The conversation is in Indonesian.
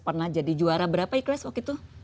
pernah jadi juara berapa ikhlas waktu itu